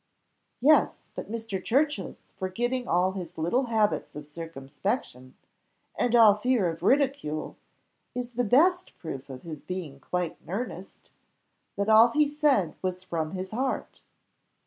"Yes, but Mr. Churchill's forgetting all his little habits of circumspection, and all fear of ridicule, is the best proof of his being quite in earnest that all he said was from his heart."